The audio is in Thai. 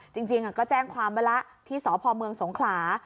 จริงก็แจ้งความไว้แล้วที่สพเมืองสงขลา